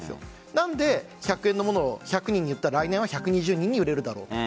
なので１００円のものを１００人に売ったら来年は１２０人に売れるだろう。